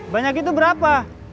banyak itu berapa